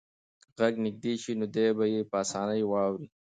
که غږ نږدې شي نو دی به یې په اسانۍ واوري.